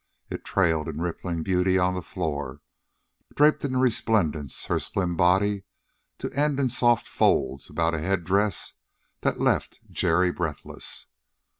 It trailed in rippling beauty on the floor draped in resplendence her slim body, to end in soft folds about a head dress that left Jerry breathless.